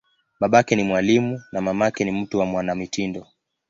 Babake ni mwalimu, na mamake ni mtu wa mwanamitindo.